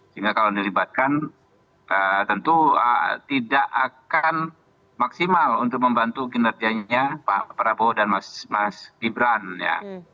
sehingga kalau dilibatkan tentu tidak akan maksimal untuk membantu kinerjanya pak prabowo dan mas gibran ya